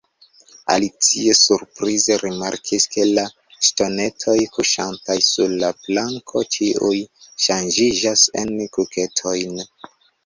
Alicio surprize rimarkis ke la ŝtonetoj kuŝantaj sur la planko ĉiuj ŝanĝiĝas en kuketojn.